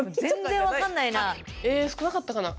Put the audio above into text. え少なかったかな？